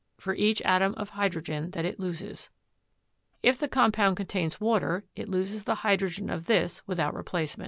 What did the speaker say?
for each atom of hydrogen that it loses. "If the compound contains water, it loses the hydrogen of this without replacement."